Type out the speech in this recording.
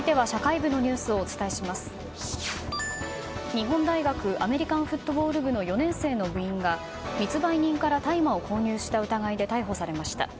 日本大学アメリカンフットボール部の４年生の部員が密売人から大麻を購入した疑いで逮捕されました。